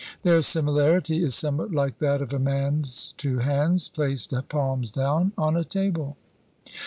Their similarity is somewhat like that of a man's two hands placed palms down on a table.